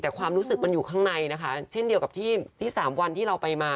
แต่ความรู้สึกมันอยู่ข้างในนะคะเช่นเดียวกับที่๓วันที่เราไปมา